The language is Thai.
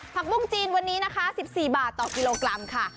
ผักบุ้งจีนวันนี้นะคะ๑๔บาทต่อกิโลกรัมค่ะ